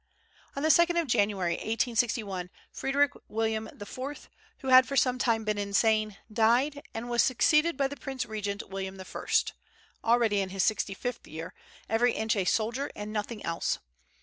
On the 2d of January, 1861, Frederick William IV., who had for some time been insane, died, and was succeeded by the Prince Regent, William I., already in his sixty fifth year, every inch a soldier and nothing else.